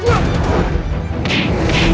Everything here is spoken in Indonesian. aku akan mengunggurkan ibumu sendiri